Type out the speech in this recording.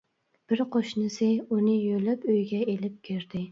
بىر قوشنىسى ئۇنى يۆلەپ ئۆيگە ئىلىپ كىردى.